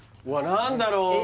何だろうえ